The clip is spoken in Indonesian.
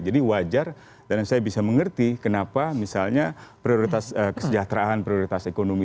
jadi wajar dan saya bisa mengerti kenapa misalnya kesejahteraan prioritas ekonomi